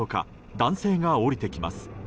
男性が降りてきます。